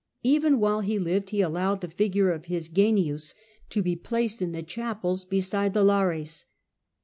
Even while he lived he allowed the figure of his Genius to be placed in the chapels beside the Lares.